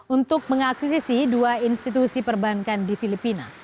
untuk mengakuisisi dua institusi perbankan di filipina